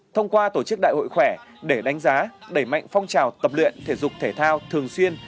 thông qua tổ chức đại hội khỏe để đánh giá đẩy mạnh phong trào tập luyện thể dục thể thao thường xuyên